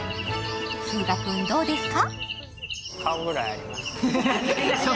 風雅君どうですか？